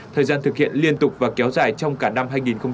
thời gian thực hiện liên tục và kéo dài trong cả năm hai nghìn hai mươi